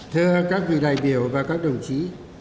thưa các vị đại biểu và các đồng chí